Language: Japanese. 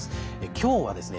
今日はですね